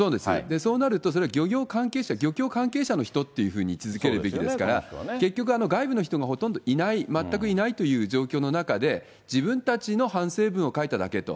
そうなると、それは漁協関係者、漁協関係者の方というふうに続けるべきですから、結局、外部の人がほとんど、全くいないという状況の中で、自分たちの反省文を書いただけと。